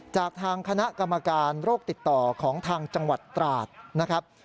จากทางคณะกรรมการโรคติดต่อของทางจังหวัดตราดนะครับ